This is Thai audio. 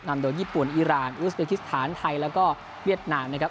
นำโดยญี่ปุ่นอีรานอุสเบคิสถานไทยแล้วก็เวียดนามนะครับ